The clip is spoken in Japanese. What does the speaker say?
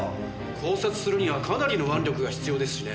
絞殺するにはかなりの腕力が必要ですしね。